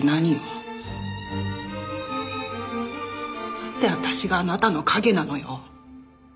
なんで私があなたの影なのよ。